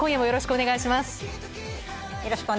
よろしくお願いします。